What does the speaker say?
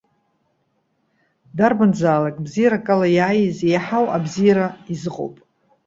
Дарбанзаалак, бзиарак ала иааиз, еиҳау абзиара изыҟоуп.